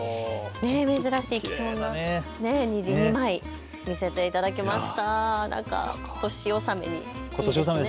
珍しい貴重な虹２枚寄せていただきました。